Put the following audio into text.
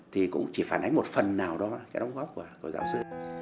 thì cũng chỉ phản ánh một phần nào đó cái đóng góp của giáo sư